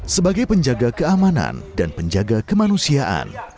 sebagai penjaga keamanan dan penjaga kemanusiaan